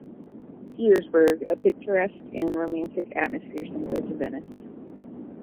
Petersburg a picturesque and romantic atmosphere similar to Venice.